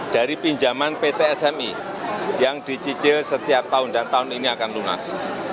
dari pinjaman pt smi yang dicicil setiap tahun dan tahun ini akan lunas